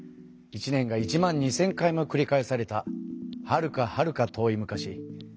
一年が１万２，０００回もくり返されたはるかはるか遠い昔。